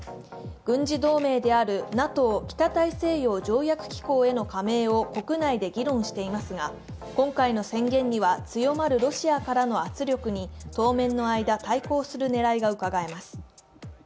軍事同盟であるＮＡＴＯ＝北大西洋条約機構への加盟を国内で議論していますが、今回の宣言には強まるロシアへの圧力に当面の間、対抗する狙いが伺えます。